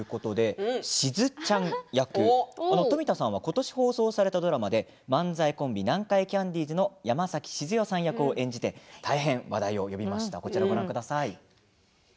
富田さんは今年放送されたドラマで漫才コンビ南海キャンディーズの山崎静代さん役を演じて大変話題呼びました。